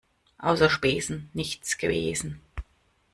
Außer Spesen nichts gewesen.